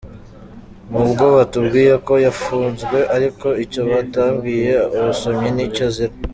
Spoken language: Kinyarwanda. N’ubwo batubwiye ko yafunzwe ariko, icyo batabwiye abasomyi ni icyo azira.